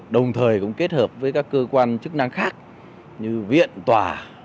đồng thời cũng kết hợp với các cơ quan chức năng khác như viện tòa